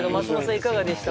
いかがでした？